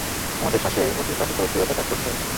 আমাদের শ্বাসে অতিপ্রাকৃত স্থিরতা কাজ করছে।